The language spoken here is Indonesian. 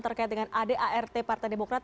terkait dengan ad art partai demokrat